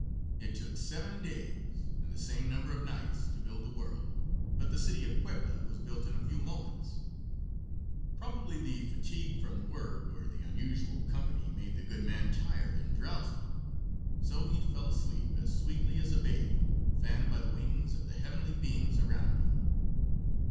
It took seven days and the same number of nights to build the world, but the city of Puebla was built in a few moments. Probably the fatigue from work or the unusual company made the good man tired and drowsy, so he fell asleep, as sweetly as a babe, fanned by the wings of the heavenly beings around him.